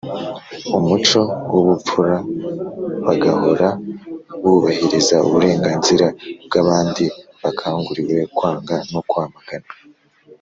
Umuco w ubupfura bagahora bubahiriza uburenganzira bw abandi bakanguriwe kwanga no kwamagana